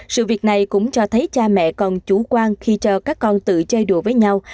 sự việc này cũng cho thấy cha mẹ còn chủ quan khi cho các con tự chơi đùa với nhau